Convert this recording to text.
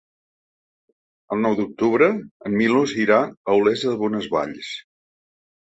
El nou d'octubre en Milos irà a Olesa de Bonesvalls.